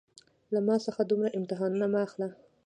له ما څخه دومره امتحانونه مه اخله